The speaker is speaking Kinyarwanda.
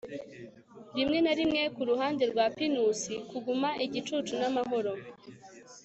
rimwe na rimwe kuruhande rwa pinusi, kuguma igicucu n'amahoro